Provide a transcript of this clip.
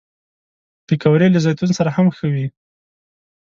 پکورې له زیتون سره هم ښه وي